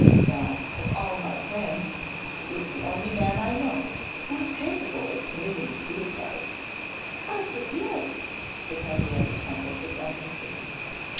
Now, of all my friends, he is the only man I know who is capable of committing suicide.' 'God forbid!' said Henrietta Temple, with emphasis.